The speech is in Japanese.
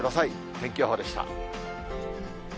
天気予報でした。